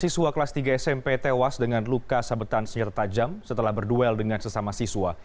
siswa kelas tiga smp tewas dengan luka sabetan senjata tajam setelah berduel dengan sesama siswa